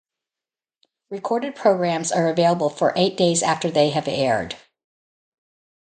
Recorded programs are available for eight days after they have aired.